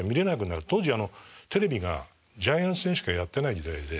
当時テレビがジャイアンツ戦しかやってない時代で。